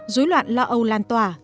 dối loạn lo âu lan tòa